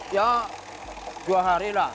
ya dua hari lah